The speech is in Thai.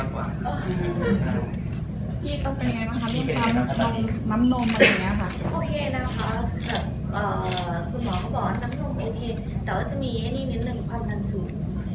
แต่ว่าจะมีแอเนียนิดหนึ่งความดันสุข